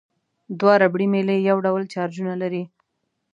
دوه ربړي میلې یو ډول چارجونه لري.